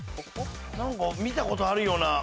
見たことあるような。